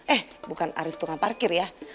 eh bukan arief tukang parkir ya